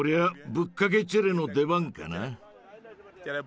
ぶっかけチェレの出番かな。